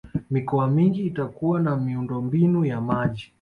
mikoa mingi itakuwa na miundombinu ya maji